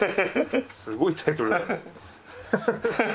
すごいタイトルだね。